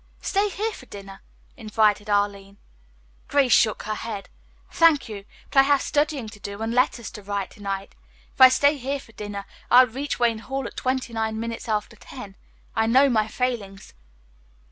"Stay here for dinner," invited Arline. Grace shook her head. "Thank you, but I have studying to do and letters to write to night. If I stay here for dinner, I'll reach Wayne Hall at twenty nine minutes after ten. I know my failings."